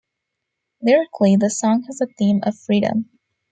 Lyrically, the song has a theme of freedom.